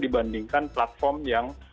dibandingkan platform yang